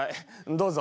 どうぞ。